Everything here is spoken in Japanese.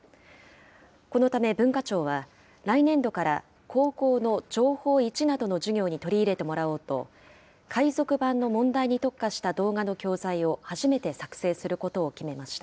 このため文化庁は、来年度から高校の情報１などの授業に取り入れてもらおうと、海賊版の問題に特化した動画の教材を初めて作成することを決めました。